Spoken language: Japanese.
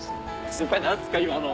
先輩何すか今の！